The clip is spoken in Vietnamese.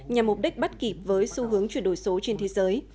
nhằm mục đích bắt kịp với xu hướng chuyển đổi số trên thế giới